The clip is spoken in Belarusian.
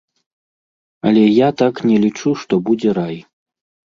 Але я так не лічу, што будзе рай.